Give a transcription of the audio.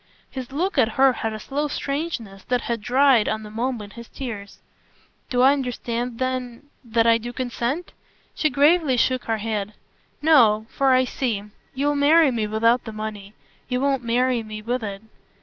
His look at her had a slow strangeness that had dried, on the moment, his tears. "Do I understand then ?" "That I do consent?" She gravely shook her head. "No for I see. You'll marry me without the money; you won't marry me with it.